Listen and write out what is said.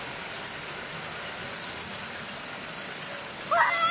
うわ！